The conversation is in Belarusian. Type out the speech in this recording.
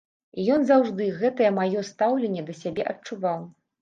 І ён заўжды гэтае маё стаўленне да сябе адчуваў.